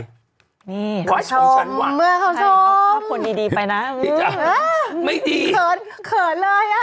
นี่เขาชมเมื่อเขาชมเอาภาพคนดีดีไปนะไม่ดีเขินเลยอ่ะ